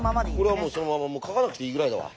これはもうそのままもう書かなくていいぐらいだわ。